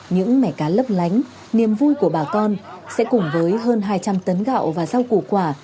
những mẻ cá lấp lánh niềm vui của bà con sẽ cùng với hơn hai trăm linh tấn gạo và rau củ quả